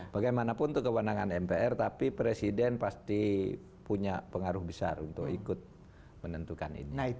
bagaimanapun itu kewenangan mpr tapi presiden pasti punya pengaruh besar untuk ikut menentukan ini